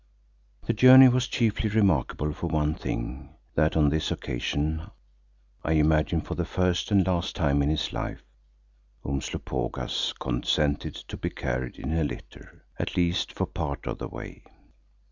The journey was chiefly remarkable for one thing, that on this occasion, I imagine for the first and last time in his life, Umslopogaas consented to be carried in a litter, at least for part of the way.